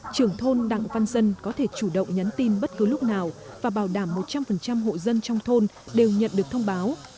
trưởng thôn đặng văn dân có thể chủ động nhắn tin bất cứ lúc nào và bảo đảm một trăm linh hộ dân trong thôn đều nhận được thông báo